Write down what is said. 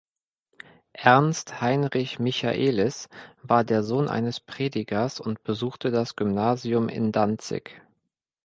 Ernst Heinrich Michaelis war der Sohn eines Predigers und besuchte das Gymnasium in Danzig.